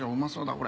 これ。